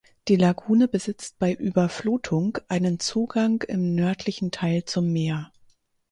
Die Lagune besitzt bei Überflutung einen Zugang im nördlichen Teil zum Meer.